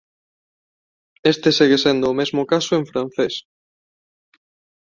Este segue sendo o mesmo caso en francés.